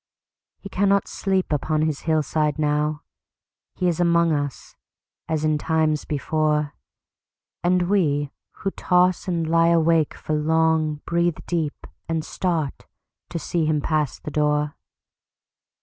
He cannot sleep upon his hillside now. He is among us:—as in times before! And we who toss and lie awake for long, Breathe deep, and start, to see him pass the door.